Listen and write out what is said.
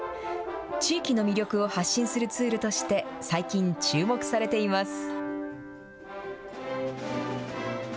地域の魅力を発信するツールとして最近、注目されています。